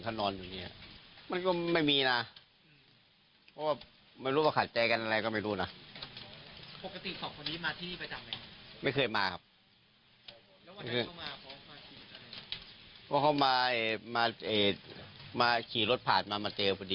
ก็เลยแวะก็เลยแวะเข้ามา